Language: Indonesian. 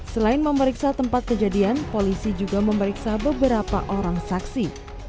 selain memeriksa tempat kejadian polisi juga memeriksa beberapa orang saksi